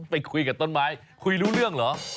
ไปคุยกับต้นไม้คุยรู้เรื่องเหรอ